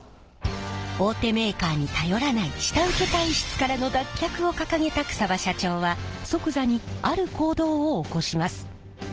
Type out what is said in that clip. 大手メーカーに頼らない下請け体質からの脱却を掲げた草場社長は即座にある行動を起こします。